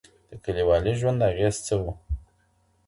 د کليوالي ژوند اغېز څه و؟